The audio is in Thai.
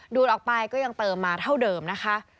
ดูดออกไปก็ยังเติมมาเท่าเดิมนะคะ